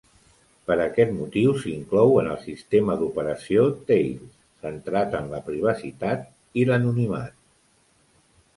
Per aquest motiu s'inclou en el sistema d'operació Tails, centrat en la privacitat (i l'anonimat).